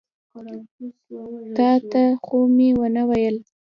تا ته خو مې ونه ویل.